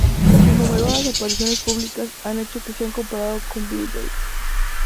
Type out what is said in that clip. Sus numerosas apariciones públicas han hecho que sea comparado con Bill Gates.